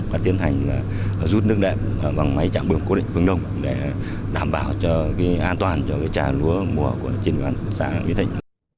và tiến hành rút nước đẹp bằng máy trạm bơm cố định phương đồng để đảm bảo an toàn cho trà lúa mùa của chiến đoàn xã mỹ thành